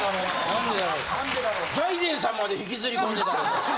財前さんまで引きずりこんでたけど。